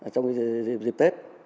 trong dịp tết